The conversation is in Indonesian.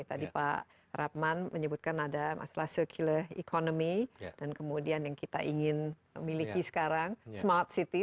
tadi pak rabman menyebutkan ada masalah circular economy dan kemudian yang kita ingin miliki sekarang smart city